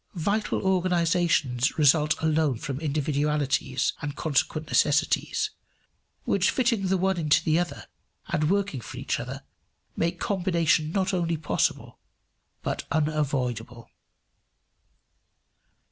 Vital organizations result alone from individualities and consequent necessities, which fitting the one into the other, and working for each other, make combination not only possible but unavoidable.